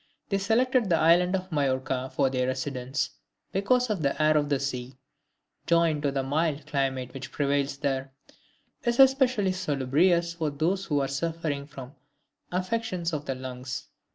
They selected the island of Majorca for their residence because the air of the sea, joined to the mild climate which prevails there, is especially salubrious for those who are suffering from affections of the lungs.